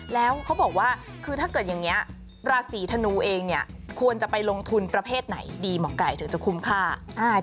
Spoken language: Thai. แล้วเขาบอกว่าคือถ้าเกิดอย่างนี้ราศีธนูเองเนี่ยควรจะไปลงทุนประเภทไหนดีหมอไก่ถึงจะคุ้มค่า